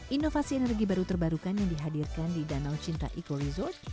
inovasi energi baru terbarukan yang dihadirkan di danau cinta eco resort